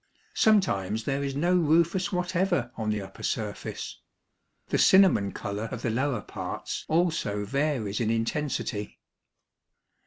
Sometimes there is no rufous whatever on the upper surface. The cinnamon color of the lower parts also varies in intensity."